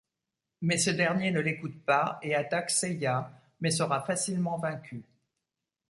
Mais ce dernier ne l’écoute pas et attaque Seiya mais sera facilement vaincu.